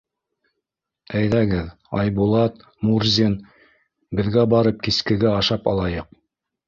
— Әйҙәгеҙ, Айбулат, Мурзин, беҙгә барып кискегә ашап алайыҡ.